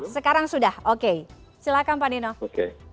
sekarang sudah oke silakan panino